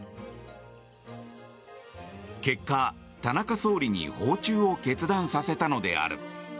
結果、田中総理に訪中を決断させたのである。